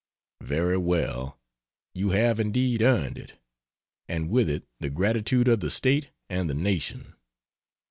Very well, you have indeed earned it: and with it the gratitude of the State and the nation.